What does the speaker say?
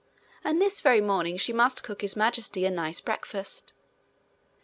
And this very morning she must cook His Majesty a nice breakfast.